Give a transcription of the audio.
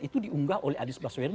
itu diunggah oleh anies baswedan